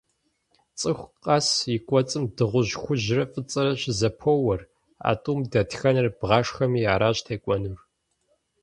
Цӏыху къэс и кӏуэцӏым дыгъужь хужьрэ фӏыцӏэрэ щызэпоуэр. А тӏум дэтхэнэр бгъашхэми, аращ текӏуэнур.